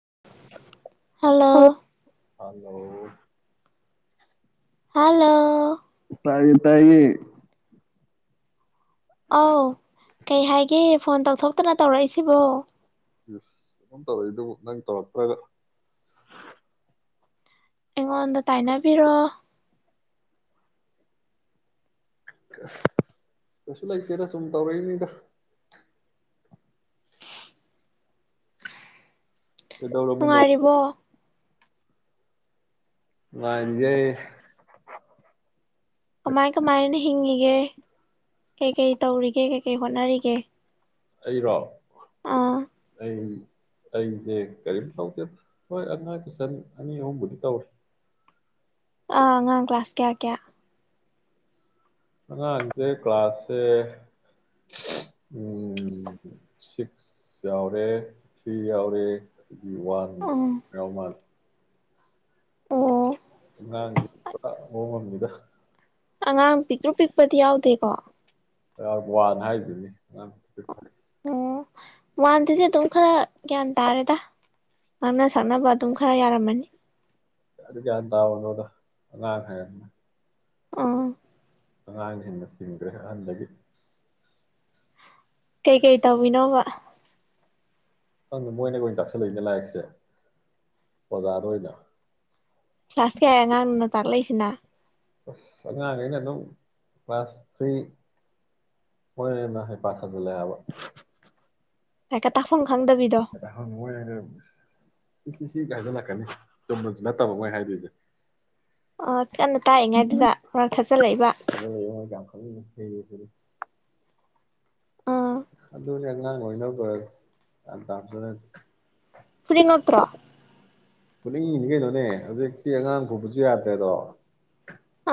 [inaudible] Hello. Hello. Hello. ꯇꯥꯌꯦ ꯇꯥꯌꯦ꯫ ꯑꯧ ꯀꯩ ꯍꯥꯏꯒꯦ ꯐꯣꯟ ꯇꯧꯊꯣꯛꯇꯅ ꯇꯧꯔꯛꯏꯁꯤꯕꯣ꯫ ꯑꯗꯨꯝ ꯇꯧꯔ ꯏꯗꯨꯕꯨ ꯅꯪ ꯇꯧꯔꯛꯇ꯭ꯔꯒ꯫ ꯑꯩꯉꯣꯟꯗ ꯇꯥꯏꯅꯕꯤꯔꯣ꯫ ꯑꯁ ꯀꯩꯁꯨ ꯂꯩꯇꯦꯗ ꯁꯨꯝ ꯇꯧꯔꯛꯏꯅꯤꯗ꯫ ꯀꯩꯗꯧꯔꯝꯃꯤꯅꯣ꯫ ꯅꯨꯡꯉꯥꯏꯔꯤꯕꯣ ꯅꯨꯡꯉꯥꯏꯔꯤꯌꯦ꯫ ꯀꯃꯥꯏ ꯀꯃꯥꯏꯅ ꯍꯤꯡꯉꯤ ꯒꯦ ꯀꯩꯀꯩ ꯇꯧꯔꯤꯒꯦ ꯀꯩꯀꯩ ꯍꯣꯠꯅꯔꯤꯒꯦ꯫ ꯑꯩꯔꯣ꯫ ꯑꯥ꯫ ꯑꯩ ꯑꯩꯁꯦ ꯀꯔꯤꯝ ꯇꯧꯗꯦꯗ ꯍꯣꯏ ꯑꯉꯥꯡ ꯇꯨꯁꯟ ꯑꯅꯤ ꯑꯍꯨꯝꯕꯨꯗꯤ ꯇꯧꯔꯤ꯫ ꯑ ꯑꯉꯥꯡ ꯀ꯭ꯂꯥꯁ ꯀꯥꯌꯥꯀꯌꯥ꯫ ꯑꯉꯥꯡꯁꯦ ꯀ꯭ꯂꯥꯁꯁꯦ ꯎ ꯁꯤꯛꯁ ꯌꯥꯎꯔꯦ ꯊ꯭ꯔꯤ ꯌꯥꯎꯔꯦ꯫ ꯋꯥꯟ ꯎꯝ ꯌꯥꯎꯃꯥꯜ ꯑꯣ꯫ ꯑꯉꯥꯡ [unintelligible] ꯄꯨꯔꯥ ꯃꯑꯣꯡ ꯑꯝꯅꯤꯗ꯫ ꯑꯉꯥꯡ ꯄꯤꯛꯇ꯭ꯔꯨ ꯄꯤ ꯄꯗꯤ ꯌꯥꯎꯗꯦꯀꯣ꯫ ꯋꯥꯟ ꯍꯥꯏꯗꯨꯅꯤ [unintelligible] ꯑꯣ ꯋꯥꯟꯗꯨꯗꯤ ꯑꯗꯨꯝ ꯈꯔ ꯒ꯭ꯌꯥꯟ ꯇꯥꯔꯦꯗ ꯉꯥꯡꯅ ꯁꯛꯅꯕ ꯑꯗꯨꯝ ꯈꯔ ꯌꯥꯔꯝꯃꯅꯤ꯫ ꯀꯗꯥꯏꯗꯩ ꯒꯌ꯭ꯥꯟ ꯇꯥꯕꯅꯣꯗ ꯑꯉꯥꯡ ꯍꯥꯏꯔꯦꯗꯅ꯫ ꯎꯝ꯫ ꯑꯉꯥꯡꯁꯤꯡꯅ ꯁꯤꯡꯈ꯭ꯔꯦ ꯑꯍꯟꯗꯒꯤ꯫ ꯀꯩꯀꯩ ꯇꯧꯏꯅꯣꯕ꯫ ꯃꯣꯏꯅꯒ ꯑꯣꯏꯅ ꯇꯛꯁꯜꯂꯛꯏꯅꯦ ꯂꯥꯏꯔꯤꯛꯁꯦ ꯑꯣꯖꯥꯗ ꯑꯣꯏꯅ꯫ ꯀ꯭ꯂꯥꯁ ꯀꯌꯥꯏ ꯑꯉꯥꯡꯅꯅꯣ ꯇꯥꯛꯂꯛꯏꯁꯤꯅ꯫ ꯑꯁ ꯑꯉꯥꯡꯈꯩꯅ ꯑꯗꯨꯝ ꯀ꯭ꯂꯥꯁ ꯊ꯭ꯔꯤ ꯃꯣꯏ ꯑꯣꯏꯅ ꯍꯩꯄꯥ ꯁꯥꯖꯤꯜꯂꯛꯑꯦ ꯍꯥꯏꯕ꯫ ꯂꯥꯏꯛꯀ ꯇꯥꯛꯐꯝ ꯈꯪꯗꯕꯤꯗꯣ ꯍꯪꯉ ꯁꯤ ꯁꯤ ꯀꯥꯏꯖꯜꯂꯛꯀꯅꯤ ꯆꯨꯝꯕꯟꯁꯨ ꯅꯠꯇꯕ ꯃꯣꯏ ꯍꯥꯏꯗꯣꯏꯁꯦ ꯑꯥ ꯀꯟꯅ ꯇꯥꯛꯏꯉꯥꯏꯗꯨꯗ ꯃꯔꯛ ꯊꯥꯠꯆꯜꯂꯛꯏꯕ ꯑꯗꯨꯅ ꯃꯣꯏ ꯀꯌꯥꯝ ꯈꯪꯅꯤꯡꯉꯤ ꯍꯩꯔꯤꯁꯤꯗꯤ ꯉ ꯑꯣꯏꯅ ꯀ ꯇꯖ [unintelligible] ꯐꯨꯅꯤꯡ ꯉꯛꯇ꯭ꯔꯣ ꯐꯨꯅꯤꯡꯅꯤ ꯀꯩꯅꯣꯅꯦ ꯍꯧꯖꯤꯛꯇꯤ ꯑꯉꯥꯡ ꯐꯨꯕꯁꯨ ꯌꯥꯗ꯭ꯔꯦꯗꯣ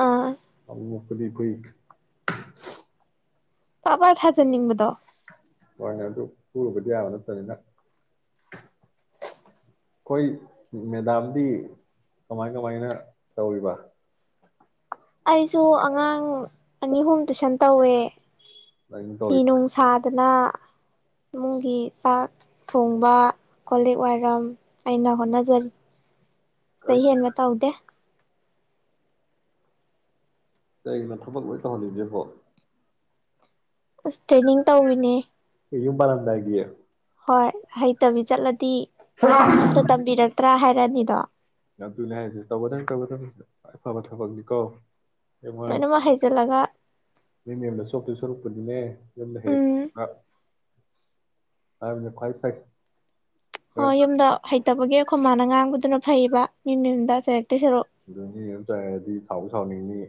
ꯑꯥ ꯑ ꯈꯨꯗꯤ ꯍꯏ ꯄꯥꯕꯥ ꯊꯥꯖꯅꯤꯡꯕꯗꯣ ꯋꯥ ꯑꯗꯨ ꯐꯨꯕꯗꯤꯕꯅ ꯇꯃꯤꯗ [unintelligible] ꯑꯩꯈꯣꯏ ꯃꯦꯗꯥꯝꯗꯤ ꯀꯃꯥꯏ ꯀꯃꯥꯏꯅ ꯇꯧꯔꯤꯕ ꯑꯩꯁꯨ ꯑꯉꯥꯡ ꯑꯅꯤ ꯑꯍꯨꯝ ꯇꯨꯏꯁꯟ ꯇꯧꯋꯦ ꯂꯥꯏꯔꯤꯛ ꯐꯤ ꯇꯧꯔꯤ ꯅꯨꯡꯁꯥꯗꯅ ꯏꯃꯨꯡꯒꯤ ꯆꯥꯛ ꯊꯣꯡꯕ ꯀꯣꯂꯤꯛ ꯋꯥꯏꯔꯝ ꯑꯩꯅ ꯍꯣꯠꯅꯖꯔꯤ ꯁꯤꯗꯩ ꯍꯦꯟꯕ ꯇꯧꯗꯦ ꯀꯩꯒꯤꯅꯣ ꯊꯥꯕꯛ ꯂꯣꯏ ꯇꯧꯍꯜꯂꯤꯁꯦ ꯍꯣ ꯑꯁ ꯇ꯭ꯔꯦꯅꯤꯡ ꯇꯧꯋꯅꯦ ꯌꯨꯝ ꯄꯥꯟ ꯂꯝꯗꯥꯏꯒꯤ ꯍꯣꯏ ꯍꯩꯇꯕꯤ ꯆꯠꯂꯗꯤ ꯑꯇ ꯇꯝꯕꯤꯔꯠꯇ꯭ꯔꯥ ꯍꯥꯏ ꯔꯅꯤꯗꯣ ꯑꯗꯨꯅꯦ ꯍꯥꯏꯁꯦ ꯇꯧꯕꯗꯪ ꯇꯧꯕꯗꯪ ꯑꯐꯕ ꯊꯕꯛꯅꯤ ꯀꯣ ꯃ ꯂꯣꯏꯅꯃꯛ ꯍꯩꯖꯤꯜꯂꯒ ꯃꯤ ꯁꯣ ꯁꯔꯨ [unintelligible] ꯄꯨꯗꯤꯅꯦ ꯍꯦ ꯎꯝ ꯑ ꯈ꯭ꯋꯥꯏ ꯐꯥꯏ ꯑꯣ ꯌꯨꯝꯗ ꯍꯩꯇꯕꯒꯤ ꯑꯩꯈꯣꯏ ꯃꯥꯅ ꯉꯥꯡꯕꯗꯨꯅ ꯐꯩꯕ ꯃꯤ ꯌꯨꯝꯗꯖꯔꯦ ꯑꯗꯨ ꯌꯥ ꯆꯥꯏꯗꯤ ꯁꯥꯎꯕ ꯁꯥꯎꯅꯤꯡꯅꯤ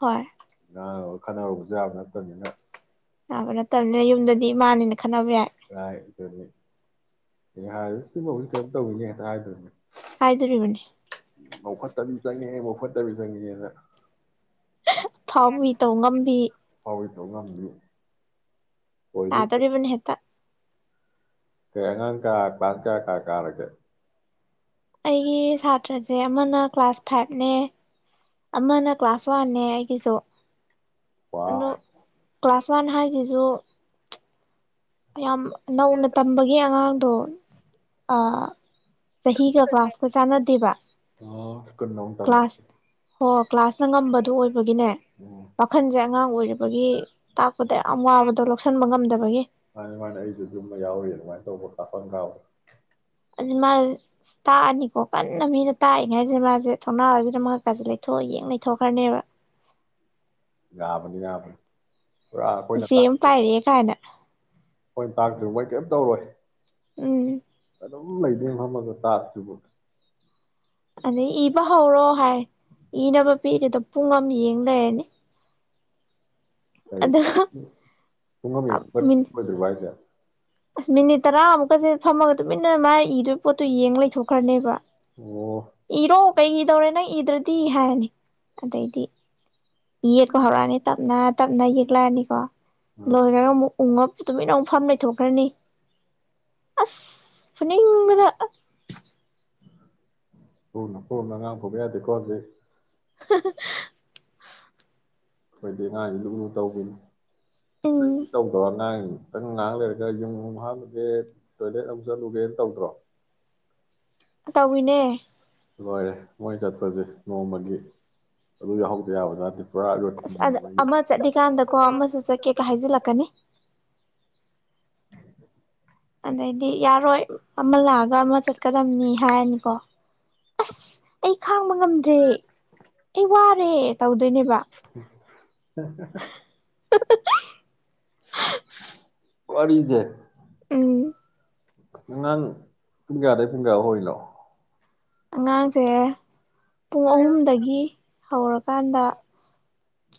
ꯍꯣꯏ ꯉ ꯈꯟꯅꯔꯨꯕꯖꯥꯕ ꯅꯠꯇꯕꯅꯤꯅ ꯑ ꯠꯇꯕꯅꯤꯅ ꯌꯨꯝꯗꯗꯤ ꯏꯃꯥꯅꯦꯅ ꯈꯟꯅꯕ ꯌꯥꯏ ꯁꯤꯐ ꯍꯧꯖꯤꯛ ꯀꯩꯅꯣꯝ ꯇꯧꯏꯅꯦ [unintelligible] ꯍꯥꯏ ꯗꯣꯏꯔꯤꯕꯅꯤ ꯃꯧ ꯐꯠꯇꯕꯤ ꯆꯪꯉꯦ ꯂꯧꯐꯠꯇꯕꯤ ꯆꯪꯉꯦꯅ ꯑꯐꯧꯎꯕꯤ ꯇꯧ ꯉꯝꯕꯤ ꯍꯣꯏ ꯇꯧ ꯉꯕꯤꯌꯨ ꯇꯥ ꯇꯣꯔꯕꯨꯟ ꯍꯦꯛꯇ ꯀꯉꯥꯡ ꯀꯥ ꯀ ꯀ ꯀꯥ ꯀꯥꯔꯒꯦ ꯑꯩꯒꯤ ꯁꯥꯇ꯭ꯔꯁꯦ ꯑꯃꯅ ꯀ꯭ꯂꯥꯁ ꯐꯥꯏꯚꯅꯦ ꯑꯃꯅ ꯀ꯭ꯂꯥꯁ ꯋꯥꯟꯅꯦ ꯑꯩꯒꯤꯁꯨ ꯑꯗꯣ ꯋꯥ ꯀ꯭ꯂꯥꯁ ꯋꯥꯟ ꯍꯥꯏꯁꯤꯁꯨ ꯌꯥꯝ ꯅꯧꯅ ꯇꯝꯕꯒꯤ ꯑꯉꯥꯡꯗꯣ ꯆꯍꯤꯒ ꯀ꯭ꯂꯥꯁꯀ ꯆꯥꯟꯅꯗꯦꯕ ꯁ꯭ꯀꯨꯜ ꯑꯃ ꯇꯝꯃꯦ ꯀ꯭ꯂꯥꯁ ꯍ ꯀ꯭ꯂꯥꯁꯅ ꯉꯝꯕꯗꯨ ꯑꯣꯏꯕꯒꯤꯅꯦ ꯎꯝ ꯋꯥꯈꯟꯁꯦ ꯑꯉꯥꯡ ꯑꯣꯏꯔꯤꯕꯒꯤ ꯇꯥꯛꯄꯗ ꯌꯥꯝ ꯋꯥꯕꯗꯣ ꯂꯧꯁꯤꯟꯕ ꯉꯝꯗꯕꯒꯤ ꯑꯗꯨꯃꯥꯏꯅ ꯑꯩꯁꯨ ꯑꯗꯨꯃ ꯌꯥꯎꯔꯤ ꯑꯗꯨꯃꯥꯏꯅ ꯇꯧꯕ ꯀꯥꯞꯐꯝ ꯀꯥꯎꯋꯦ ꯑꯗꯨ ꯃꯥꯁꯦ ꯇꯥꯛꯑꯅꯤꯀꯣ ꯀꯟꯅ ꯃꯤꯅ ꯇꯥꯛꯏꯅꯦ ꯍꯥꯏꯁꯤꯦ ꯃꯥꯁꯦ ꯊꯣꯡꯅꯥꯎꯁꯤꯗ ꯃꯍꯥꯛꯛꯀꯥꯁꯦ ꯂꯩꯊꯣꯛꯑ ꯌꯦꯡ ꯂꯩꯊꯣꯛꯈ꯭ꯔꯅꯦꯕ ꯌꯥꯕꯅꯤ ꯌꯥꯕ ꯁꯤ ꯄꯔ ꯀꯥꯏꯅ ꯃꯣꯏ ꯇꯥꯛꯇꯔꯤꯕ ꯃꯣꯏ ꯀꯔꯤꯝꯇ ꯇꯧꯔꯣꯏ ꯎꯝ ꯑꯗꯨꯝ ꯂꯩꯗꯤꯦ ꯃꯝꯃꯒ ꯇꯥꯇ꯭ꯕ ꯑꯗꯩ ꯏꯕ ꯍꯧꯔꯣ ꯍꯥꯏ ꯏꯅꯕ ꯄꯤꯔꯤꯗ ꯄꯨꯡ ꯑꯃ ꯌꯦꯡ ꯂꯩꯔꯅꯤ ꯀ ꯑꯗꯨꯒ ꯁꯨꯡꯉꯝ ꯌꯦꯡꯗ꯭ꯔꯤꯕ ꯍꯥꯏꯁꯦ ꯑꯁ ꯃꯤꯅꯤꯠ ꯇꯔꯥꯃꯨꯛꯀꯁꯦ ꯐꯝꯃꯒ ꯇꯨꯃꯤꯟꯅ ꯃꯥꯥꯏ ꯏꯗꯣꯏ ꯄꯣꯠꯇꯣ ꯌꯦꯡꯉ ꯂꯩꯊꯣꯛꯈ꯭ꯔꯅꯦꯕ ꯑꯣ ꯏꯔꯣ ꯀꯩꯒꯤꯗꯧꯔꯦꯅ ꯏ꯭ꯔ ꯗꯤ ꯍꯥꯏꯔꯅꯤ ꯑꯗꯩꯗꯤ ꯌꯦꯛꯄ ꯍꯧꯔꯛꯑꯅꯤ ꯇꯞꯅ ꯇꯞꯅ ꯌꯦꯛꯂꯛꯑꯅꯤꯀꯣ ꯂꯣꯏꯔꯒ ꯑꯃꯨꯛ ꯎꯉꯞ ꯇꯨꯃꯤ ꯏꯟꯅ ꯐꯥꯝ ꯂꯩꯊꯣꯛꯈ꯭ꯔꯅꯤ ꯑꯁ ꯐꯨꯅꯤ ꯄꯅ ꯄ ꯄꯨꯅ ꯉ ꯐꯒꯦ ꯗꯀꯣꯁꯦ [unintelligible] ꯑꯩꯈꯣꯏꯗꯤ ꯉꯥꯁꯤ ꯂꯨ ꯂꯨ ꯇꯧꯈꯤꯅꯤ ꯎꯝ ꯅꯗꯤ ꯇꯧꯗ ꯉ ꯈꯤꯇꯪ ꯉꯥꯏꯍꯥꯛ ꯂꯩꯔꯒ ꯌꯨꯝ ꯍꯥꯜꯂꯨꯒꯦ ꯇꯣꯏꯂꯦꯠ ꯂꯧ ꯆꯠꯂꯨꯒꯦꯅ ꯇꯧꯗ꯭ꯔꯣ ꯇꯧꯏꯅꯦ ꯂꯣꯏꯔꯦ ꯃꯣꯏ ꯆꯠꯄꯁꯦ ꯅꯣꯡꯃꯒꯤ ꯑꯗꯨ ꯌꯥꯎꯍꯧꯗ ꯌꯥꯕꯖꯗꯦ ꯑꯁ ꯑꯃ ꯆꯠꯂꯤꯀꯥꯟꯗꯀꯣ ꯑꯃꯁꯨ ꯆꯠꯀꯦꯒ ꯍꯥꯏꯖꯤꯜꯂꯛꯀꯅꯤ ꯑꯗꯩꯗꯤ ꯌꯥꯔꯣꯏ ꯑꯃ ꯂꯥꯛꯑꯒ ꯑꯃ ꯆꯠꯀꯗꯝꯕꯅꯤ ꯍꯥꯏꯔꯅꯤꯀꯣ ꯑꯁ ꯑꯩ ꯈꯥꯡꯕ ꯉꯝꯗ꯭ꯔꯦ ꯑꯩ ꯋꯥꯔꯦ ꯇꯧꯗ ꯅꯦꯕ [unintelligible] [unintelligible] ꯑꯣꯏꯔꯤꯖ ꯑ ꯑꯉꯥꯡ ꯄꯨꯡ ꯀꯌꯥꯗꯩ ꯄꯨꯡ ꯀꯌꯥ ꯍꯣꯂꯣ ꯑꯉꯥꯡꯁꯦ ꯄꯨꯡ ꯑꯍꯨꯝꯗꯒꯤ ꯍꯧꯔꯀꯥꯟꯗ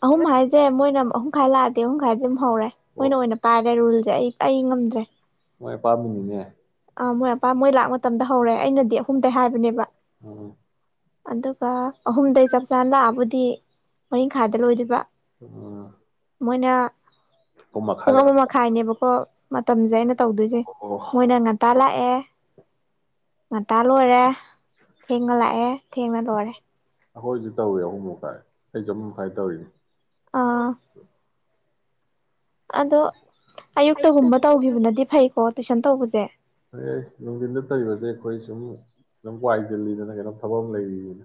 ꯑꯍꯨꯝ ꯍꯥꯏꯖꯦ ꯃꯣꯏꯅ ꯑꯍꯨꯝ ꯈꯥꯏꯂꯦꯨ ꯈ ꯍꯧꯔꯦ ꯃꯣꯏꯅ ꯑꯣ ꯑꯣꯏꯅ ꯄꯥꯏꯔꯦ ꯔꯨꯜ ꯦ ꯑꯩ ꯄ ꯑꯩ ꯉꯝꯗ꯭ꯔꯦ ꯃꯣꯏ ꯄꯥꯝꯃꯤꯅꯤꯅꯦ ꯑꯥ ꯃꯣꯏ ꯑꯄꯥ ꯃꯣꯏ ꯂꯥꯛ ꯃꯇꯝꯗ ꯍꯧꯔꯦ ꯑꯩꯅꯗꯤ ꯑꯍꯨꯝꯗ ꯍꯥꯏꯕꯅꯦꯕ ꯎꯝ ꯑꯗꯨꯒ ꯑꯍꯨꯝꯗꯩ ꯆꯞ ꯆꯥꯅ ꯂꯥꯛꯑꯕ ꯇꯤ ꯃꯔꯤꯡꯈꯥꯗ ꯂꯣꯏꯗꯕ ꯑ ꯃꯣꯏꯅ ꯄꯨꯡ ꯑꯃ ꯃꯈꯥꯏꯅꯦꯕꯀꯣ ꯃ ꯃꯇꯝꯖꯥꯏꯅ ꯇꯧꯗꯣꯏꯁꯦ ꯑꯣ ꯃꯣꯏꯅ ꯉꯟꯇꯥ ꯂꯥꯛꯑꯦ ꯉꯥ ꯂꯣꯏꯔꯦ ꯊꯦꯡꯉ ꯂꯥꯛꯑꯦ ꯊꯦꯡꯃ ꯇ ꯋꯥꯔꯦ ꯑꯩꯈꯣꯏꯁꯨ ꯇꯧꯏꯤ ꯑꯍꯨꯝ ꯃꯈꯨꯥꯏ ꯑꯩꯁꯨꯦ ꯑꯍꯨꯝ ꯃꯈꯥꯏ ꯇꯧꯔꯤꯅꯤ ꯑꯥ ꯑꯗꯣ ꯑꯌꯨꯛꯇꯒꯨꯝꯕ ꯇꯧꯈꯤꯕꯅꯗꯤ ꯐꯩꯀꯣ ꯇꯨꯏꯁꯟ ꯇꯧꯕꯁꯦ ꯍ ꯅꯨꯡꯊꯤꯟꯗ ꯇꯔꯤꯕꯁꯦ ꯑꯩꯈꯣꯏ ꯁꯨꯝ ꯈꯤꯇꯪ ꯋꯥꯏꯁꯤꯜꯂꯤꯗꯅ ꯀꯈꯤꯩꯅꯣꯝ ꯊꯕꯛ ꯑꯃ ꯂꯩꯔꯤꯅꯤꯅ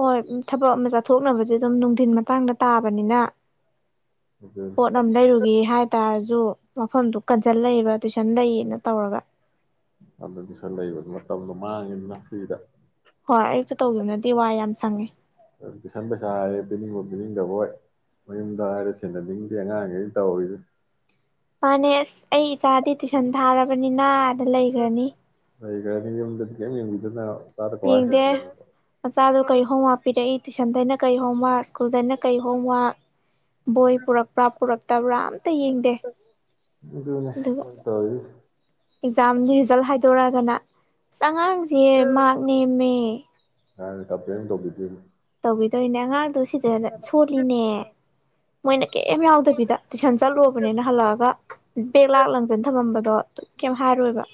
ꯍꯣꯏ ꯊꯕꯛ ꯑꯃ ꯆꯠꯊꯣꯛꯅꯕꯁꯦ ꯑꯗꯨꯝ ꯅꯨꯡꯊꯤꯤꯟ ꯃꯇꯥꯡꯗ ꯇꯥꯕꯅꯤꯅ ꯑꯗꯨꯅꯤ ꯄꯣꯠ ꯑꯃ ꯂꯩꯔꯨꯒꯦ ꯍꯥꯏ ꯇꯔꯁꯨ ꯃꯐꯝꯗꯨ ꯀꯟꯁꯤꯜ ꯂꯩꯌꯦꯕ ꯇꯨꯏꯁꯟ ꯂꯩꯌꯦꯅ ꯇꯧꯔꯒ ꯑꯗꯗꯤꯁꯂ ꯑꯩꯕꯃ ꯃꯇꯝꯗꯣ ꯃꯥꯡꯉꯤꯅꯤꯅ ꯐ꯭ꯔꯤꯗ ꯍꯣꯏ ꯑꯌꯨꯛꯇ ꯇꯧꯈꯤꯕꯅꯗꯤ ꯋꯥ ꯌꯥꯝ ꯁꯪꯉꯦ ꯑꯗꯨ ꯇꯨꯏꯁꯟ ꯄꯩꯁꯥ ꯍꯥꯏꯔꯦ ꯄꯤꯅꯤꯡꯕ ꯄꯤꯅꯤꯡꯗꯕ ꯍꯣꯏ ꯃꯌꯨꯝꯗ ꯍꯥꯏꯔ ꯁꯦꯟꯅꯅꯤꯡꯗꯦ ꯑꯉꯥꯡꯈꯩ ꯇꯧꯍꯔꯤꯁꯦ ꯆꯥꯗꯤꯦ ꯇꯨꯏꯁꯟ ꯊꯥꯔꯕꯅꯤꯅ ꯂꯩ ꯂꯩꯈ꯭ꯔꯅꯤ ꯂꯩꯈ꯭ꯔꯦꯅꯤ ꯌꯨꯝꯗꯗꯤ ꯀꯔꯤꯝ ꯌꯦꯡꯕꯤꯗꯅ ꯃꯆꯥꯗ ꯀꯃꯥꯏꯅ ꯌꯦꯡꯗꯦ ꯍꯤꯡꯗꯣꯏꯅꯣ ꯃꯆꯥꯗꯨꯣ ꯀꯔꯤꯍꯣꯝ ꯋꯥꯞꯄꯤꯔꯛꯏ ꯇꯨꯏꯁꯟꯗꯩꯅ ꯀꯩ ꯍꯣꯝꯋꯔꯥꯛ ꯁ꯭ꯀꯨꯜꯗꯅ ꯀꯩ ꯍꯣꯝꯋꯔꯛ ꯕꯣꯏ ꯄꯨꯔꯛꯄ꯭ꯔꯥ ꯄꯨꯔꯛꯇꯕ꯭ꯔꯥ ꯑꯝꯇ ꯌꯦꯡꯗꯦ ꯑꯗꯨꯅꯦ ꯑꯗꯨꯒ ꯃꯣꯏ ꯇꯧꯔꯤꯁꯦ ꯑꯦꯛꯖꯥꯝꯒꯤ ꯔꯤꯖꯜ ꯍꯥꯏꯗꯣꯔꯛꯑꯒꯅ ꯑꯁ ꯑꯉꯥꯡꯁꯦ ꯃꯍꯥꯛ ꯅꯦꯝꯃꯦ ꯅ ꯀꯝꯄ꯭ꯂꯦꯟ ꯇꯧꯕꯤꯗ꯭ꯔꯤꯕ ꯏꯩꯅ ꯑꯉꯥꯡꯗꯨ ꯁꯤꯗ ꯁꯣꯜꯂꯤꯅꯦ ꯃꯣꯏꯅ ꯀꯩꯝ ꯌꯥꯎꯗꯕꯤꯗ ꯇꯨꯏꯁꯟ ꯆꯠꯂꯨꯕꯅꯤꯅ ꯍꯜꯂꯛꯑꯒ ꯕꯦꯛ ꯂꯥꯛ ꯂꯪꯁꯤꯟ ꯊꯝꯃꯝꯕꯗꯣ ꯑꯗꯨ ꯀꯩꯝ ꯍꯥꯏꯔꯣꯏꯕ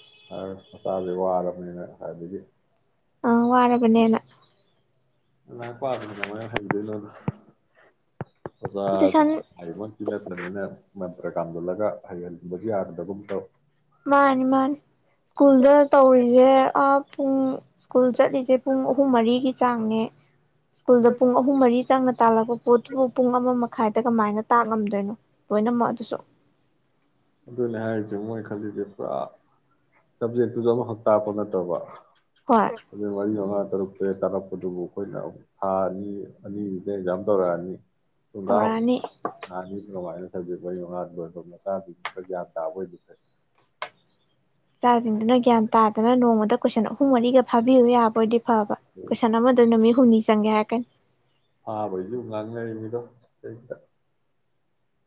ꯍꯥꯏ ꯑꯗꯨꯗꯤ ꯑ ꯋꯥꯔꯕꯟꯅꯅ ꯃ ꯄꯥꯔꯃ ꯐꯩꯗ ꯂꯅ ꯇꯨꯏꯁꯟ ꯕꯅ ꯊꯔꯅ ꯃꯟꯇ꯭ꯔ ꯀꯥꯝꯁꯤꯜꯂꯒ ꯍꯩꯍꯟꯕꯁꯨ ꯌꯥꯗꯗꯕꯒꯨꯝ ꯇꯧ ꯃꯥꯅꯤ ꯃꯥꯅꯤ ꯁ꯭ꯀꯨꯜꯗ ꯇꯧꯔꯤꯅꯤ ꯦ ꯑ ꯄꯨꯡ ꯁ꯭ꯀꯨꯜ ꯆꯠꯂꯤꯁꯦ ꯄꯨꯡ ꯑꯍꯨꯝ ꯃꯔꯤꯒꯤ ꯆꯥꯡꯅꯦ ꯁ꯭ꯀꯨꯜꯗ ꯄꯨꯡ ꯑꯍꯨꯝ ꯃꯔꯤ ꯆꯪꯅ ꯇꯥꯜꯂꯛꯄ ꯄꯣꯠꯇꯨꯕꯨ ꯄꯨꯡ ꯑꯃ ꯃꯈꯥꯏꯗ ꯀꯃꯥꯏꯅ ꯇꯥꯛ ꯉꯝꯗꯣꯏꯅꯣ ꯂꯣꯏꯅꯃꯛ ꯑꯗꯨꯁꯨ ꯑꯗꯨꯅꯦ ꯍꯥꯏꯔꯤꯁꯦ ꯃꯣꯏ ꯈꯜꯂꯤꯁꯦ ꯄꯨꯔꯥ ꯁꯞꯖꯦꯛꯇꯨꯁꯨ ꯑꯃꯨꯛꯈꯛ ꯇꯥꯛꯄ ꯅꯠꯇꯕ ꯍꯣꯏ ꯑꯗꯨꯗꯦꯚꯏ ꯍꯂ ꯇꯔꯨꯛꯛꯇꯔꯦꯠ ꯇꯥꯔꯛꯄꯗꯨꯕꯨ ꯑꯩꯈꯣꯏꯅ ꯊꯥ ꯑꯅꯤ ꯑꯅꯤꯗ ꯑꯦꯛꯖꯥꯝ ꯇꯧꯔꯛꯑꯅꯤ ꯊꯒ ꯇꯧꯔꯛꯑꯅꯤ ꯅꯅꯤ ꯄ ꯍꯥꯠ ꯃ ꯁꯥ ꯌꯥꯗꯥꯕꯣꯏꯕꯤꯈꯦ ꯏꯆꯥꯁꯤꯡꯗꯨꯅ ꯒ꯭ꯌꯥꯟ ꯇꯥꯗꯅ ꯅꯣꯡꯃꯗ ꯀꯣꯏꯁꯜꯂꯛꯎ ꯍꯨꯡꯃꯔꯤꯒꯦꯕꯤꯤ ꯍꯋꯏ ꯑꯕꯣꯏꯗꯤ ꯐꯕ ꯑꯗꯩ ꯀꯣꯏꯁꯟ ꯑꯃꯗ ꯅꯨꯃꯤꯠ ꯍꯨꯝꯅꯤ ꯆꯪꯒ꯭ꯌꯥ ꯍꯥꯏꯀ ꯍꯥꯥꯕꯩꯖ ꯉꯥꯡ ꯉ ꯃꯤꯗꯣ ꯀ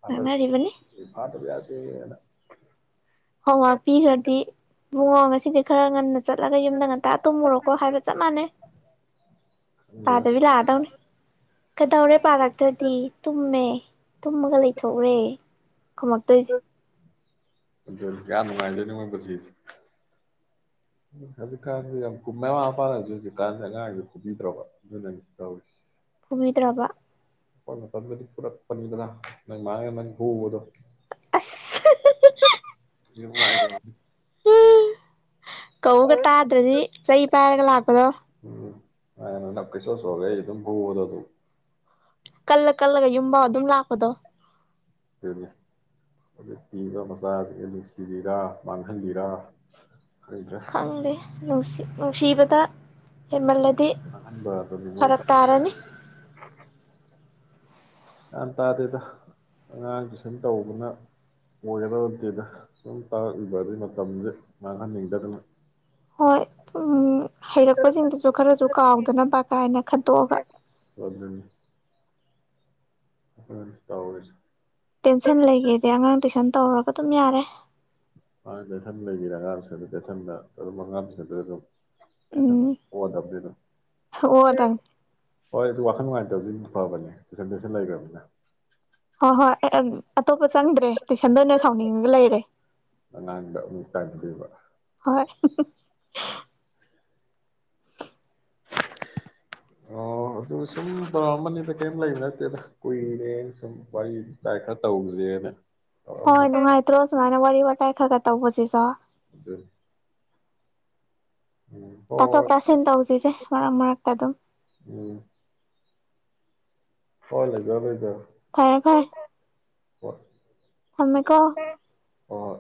ꯐꯇ ꯉꯥꯡꯅꯔꯤꯕꯅꯤ ꯐꯥꯇ ꯄꯁꯦꯅ ꯍꯣꯡꯉꯥꯛꯄꯤꯤꯈ꯭ꯔꯗꯤ ꯎꯨꯡꯉ ꯉꯁꯤꯗꯤ ꯈꯔ ꯉꯟꯅ ꯆꯠꯂꯒ ꯌꯨꯝꯗ ꯉꯟꯇꯥ ꯇꯨꯝꯃꯨꯔꯣꯀꯣ ꯍꯥꯏꯕ ꯆꯞ ꯃꯥꯟꯅꯩ ꯈꯪꯗꯦꯗ ꯄꯥꯗꯕꯤ ꯂꯥꯛꯑꯗꯧꯅꯤ ꯀꯩꯗꯧꯔꯦ ꯄꯥꯔꯛꯇ꯭ꯔꯗꯤ ꯇꯨꯝꯃꯦ ꯇꯨꯝꯃꯒ ꯂꯩꯊꯣꯛꯎ꯭ꯔꯦ ꯈꯨꯝꯃꯛꯇꯣꯏꯁꯦ ꯑꯗꯨ ꯀꯌꯥ ꯅꯨꯡꯉꯥꯏꯗꯦꯅꯤ ꯃꯣꯏ ꯄꯁꯤ ꯍꯧꯖꯤꯛꯀꯥꯟꯁꯤ ꯌꯥꯝ ꯀ ꯃꯃꯄꯥꯥꯟꯁꯨ ꯍꯧꯖꯤꯛꯀꯥꯟꯁꯦ ꯑꯉꯥꯡꯁ ꯈꯨꯝꯕꯤꯗ꯭ꯔꯕ ꯑꯗꯨꯅꯁꯨ ꯇꯧꯔꯤꯁꯦ ꯐꯨꯕꯤꯗ꯭ꯔꯕ ꯍꯈꯣꯏ ꯃꯇꯝꯗꯨꯗꯗꯤ ꯄꯨꯔꯛꯄꯅꯤꯗꯅ ꯅ ꯃꯥꯥꯡꯉ ꯃꯥ ꯍꯨꯕꯗꯣ ꯑꯁ ꯏꯦ ꯀꯒ ꯇꯥꯗ꯭ꯔꯗꯤ ꯆꯩ ꯄꯥꯏꯔꯒ ꯂꯥꯛꯄꯗꯣ ꯑꯄꯤꯁ ꯁꯣꯒꯦ ꯏ ꯑꯗꯨꯝ ꯄꯗ ꯑꯗꯨ ꯀꯜꯂ ꯀꯜꯂꯒ ꯌꯨꯝꯕꯥꯥꯎ ꯑꯗꯨꯝ ꯂꯥꯛꯄꯗꯣ ꯑꯗꯨꯅꯤ ꯑꯗꯨꯛ ꯄꯤꯕ ꯃꯆꯥꯁꯤ ꯅꯨꯡꯁꯤꯕꯤꯔ ꯃꯥꯡꯍꯟꯕꯤꯔ ꯈꯪꯗꯦ ꯅꯨꯡꯁꯤ ꯅꯨꯡꯁꯤꯕꯗ ꯍꯦꯃꯜꯂ ꯗꯤ ꯃꯥꯡꯍꯟꯕꯗꯅꯤ ꯃꯣꯏ ꯐꯔꯛ ꯇꯥꯔꯅꯤ ꯭ꯌꯥꯟ ꯇꯥꯗꯦꯗ ꯑꯉꯥꯡꯗꯨ ꯁꯨꯝ ꯇꯧꯕꯅ ꯑꯣꯏꯒꯔꯗꯤꯦꯗ ꯁꯨꯝ ꯇꯥꯛꯔꯛꯂꯤꯕ ꯑꯗꯨꯒꯤ ꯃꯇꯝꯁꯦ ꯃꯥꯡꯍꯟꯅꯤꯡꯗꯗꯅ ꯍꯣꯏ ꯎꯝ ꯍꯩꯔꯛꯄꯁꯤꯡꯗꯨꯁꯨ ꯈꯔꯁꯨ ꯀꯥꯎꯗꯅꯕ ꯀꯥꯏꯅ ꯈꯟꯇꯣꯛꯑꯒ ꯍ ꯍ ꯇꯑꯣꯁ ꯇꯦꯟꯁꯟ ꯂꯩꯒꯦꯗꯤ ꯑꯉꯥꯡ ꯇꯨꯏꯁꯟ ꯇꯧꯔꯒ ꯑꯗꯨꯝ ꯌꯥꯔꯦ ꯦꯊꯟ ꯂꯩꯕꯤꯔꯦ ꯑꯉꯥꯡꯁꯤꯡ ꯂꯩꯊꯗ ꯑꯗꯨꯝ ꯑꯉꯥꯡꯁꯤꯡ ꯑꯗꯨꯝ ꯍ ꯎꯝ ꯂ ꯑꯣꯛꯑꯗꯕꯅꯤ ꯍꯣꯏ ꯑꯗꯨ ꯋꯥꯈꯜ ꯅꯨꯡꯉꯥꯏꯇꯕꯗꯤ ꯑꯗꯨ ꯐꯕꯅꯦ ꯇꯨꯏꯁꯟ ꯇꯨꯏꯁꯟ ꯂꯩꯈ꯭ꯔꯕꯅꯤ ꯍ ꯍꯣꯏ ꯑꯩ ꯑꯇꯣꯞꯄ ꯆꯪꯗ꯭ꯔꯦ ꯇꯨꯏꯁꯟꯗ ꯑꯣꯏꯅ ꯁꯥꯎꯅꯤꯡꯉꯒ ꯂꯩꯔꯦ ꯗꯛꯇꯥꯏꯗꯗꯤꯕ [unintelligible] ꯑꯣ ꯑꯗꯨ ꯁꯨꯝ ꯇꯧꯔꯛꯑꯝꯕꯅꯤꯗ ꯀꯔꯤꯝ ꯂꯩꯕ ꯅꯠꯇꯦꯗ ꯀꯨꯏꯔꯦ ꯁꯨꯝ ꯋꯥꯔꯤ ꯇꯥꯏ ꯈꯔ ꯇꯧꯁꯦꯅ ꯍꯣꯏ ꯇꯧꯔꯛꯑꯝꯕꯅꯤ ꯅꯨꯡꯉꯥꯏ ꯇ꯭ꯔꯣꯁꯨꯃꯥꯏꯅ ꯋꯥꯔꯤ ꯋꯥ ꯇꯥꯏ ꯈꯒ ꯇꯧꯕꯁꯤꯁꯨ ꯑꯗꯨꯗ ꯇꯥꯊꯣꯛ ꯍꯣꯏ ꯍꯣꯏ ꯇꯥꯁꯤꯟ ꯇꯧꯁꯤꯁꯦ ꯃꯔꯛ ꯃꯔꯛꯇ ꯑꯗꯨꯝ ꯎꯝ ꯍꯣꯏ ꯂꯩꯖꯔꯣꯏꯖꯔꯦ ꯐꯔꯦ ꯐꯔ ꯍꯣꯏ ꯑꯃꯦꯀꯣ ꯑꯣ